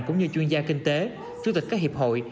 cũng như chuyên gia kinh tế chủ tịch các hiệp hội